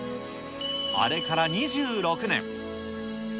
あれから２６年。